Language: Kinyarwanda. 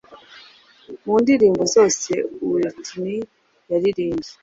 mu ndirimbo zose Whitney yaririmbye,